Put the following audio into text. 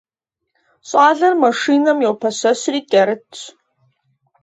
Щӏалэр машинэм йопэщэщри кӏэрытщ.